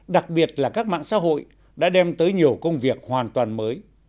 đặc biệt là các mạng xã hội đã đem tới nhiều công việc hoàn toàn mới